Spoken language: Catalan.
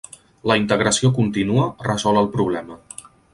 La integració contínua resol el problema.